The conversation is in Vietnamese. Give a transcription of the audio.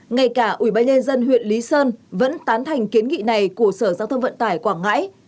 ngay cả ủy ban nhân dân huyện lý sơn vẫn tán thành kiến nghị này của sở giao thông vận tải quảng ngãi